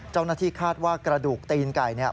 เจ้าหน้าที่คาดว่ากระดูกตีนไก่เนี่ย